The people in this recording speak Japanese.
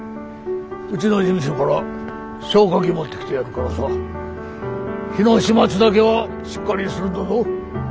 うちの事務所から消火器持ってきてやるからさ火の始末だけはしっかりするんだぞ。